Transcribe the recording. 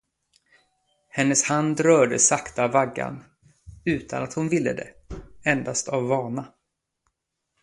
Hennes hand rörde sakta vaggan, utan att hon ville det, endast av vana.